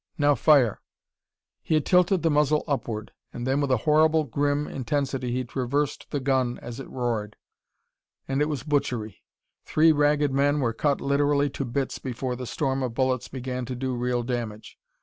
Now fire!" He had tilted the muzzle upward. And then with a horrible grim intensity he traversed the gun as it roared. And it was butchery. Three Ragged Men were cut literally to bits before the storm of bullets began to do real damage.